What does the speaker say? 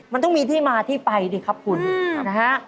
มันต้องมีที่มาที่ไปดิครับคุณนะฮะ